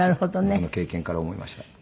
僕の経験から思いました。